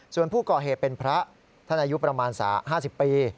ส่วนผู้ก่อเหตุเป็นพระท่านอายุประมาณ๕๐ปี